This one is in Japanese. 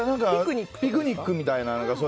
ピクニックみたいな。